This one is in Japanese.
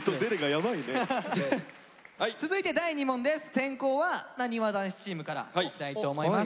先攻はなにわ男子チームからいきたいと思います。